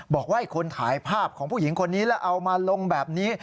บอกว่าให้คนถ่ายภาพของผู้หญิงคนนี้แล้วเอามาลงแบบนี้